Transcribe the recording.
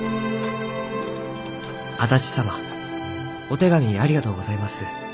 「足達様お手紙ありがとうございます。